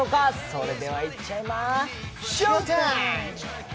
それでは行っちゃいまＳＨＯＷＴＩＭＥ！。